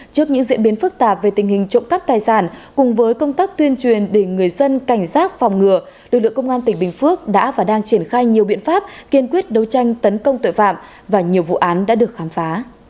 trước những diễn biến phức tạp về tình hình trộm cắp tài sản cùng với công tác tuyên truyền để người dân cảnh giác phòng ngừa lực lượng công an tỉnh bình phước đã và đang triển khai nhiều biện pháp kiên quyết đấu tranh tấn công tội phạm và nhiều vụ án đã được khám phá